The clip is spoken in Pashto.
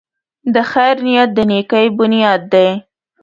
د خیر نیت د نېکۍ بنیاد دی.